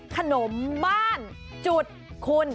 ขนมบ้านคุณ